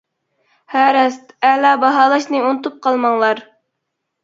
ھە راست، ئەلا باھالاشنى ئۇنتۇپ قالماڭلار.